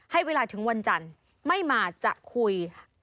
ให้เวลาถึงวันจันทร์ไม่มาจะคุย